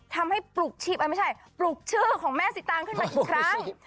ทำให้ปลุกชิบเออไม่ใช่ปลุกชื่อของแม่สิตางขึ้นมากี่ครั้ง